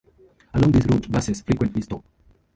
Along this route buses frequently stop.